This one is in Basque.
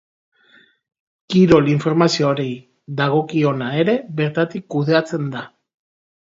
Kirol informazioari dagokiona ere bertatik kudeatzen da.